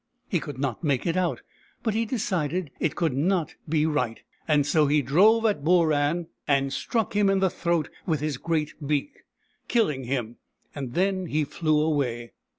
He could not make it out, but he decided it could not be right ; and so he drove at Booran and struck him in the throat with his great beak, killing him. Then he flew away.